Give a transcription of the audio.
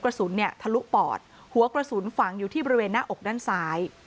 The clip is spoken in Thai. กระสุนเนี่ยทะลุปอดหัวกระสุนฝังอยู่ที่บริเวณหน้าอกด้านซ้าย